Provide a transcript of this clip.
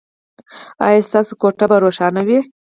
ایا ستاسو کوټه به روښانه وي؟